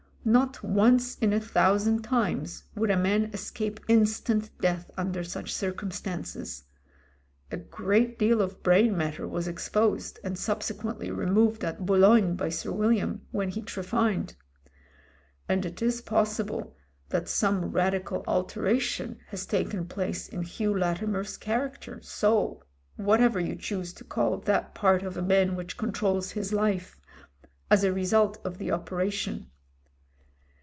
Not once in a thousand times would a man escape instant death under such circumstances. A great deal of brain mat ter was exposed, and subsequently removed at Bou logne by Sir William, when he trephined. And it is possible that some radical alteration has taken place in Hugh Latimer's character, soul — whatever you choose to call that part of a man which controls his life — as a result of the operation.